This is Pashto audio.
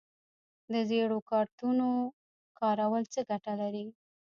د ژیړو کارتونو کارول څه ګټه لري؟